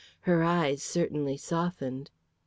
Her eyes certainly softened.